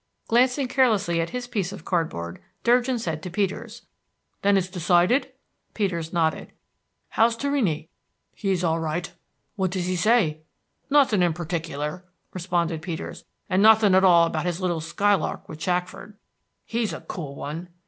Glancing carelessly at his piece of card board, Durgin said to Peters, "Then it's decided?" Peters nodded. "How's Torrini?" "He's all right." "What does he say?" "Nothing in perticular," responded Peters, "and nothing at all about his little skylark with Shackford." "He's a cool one!"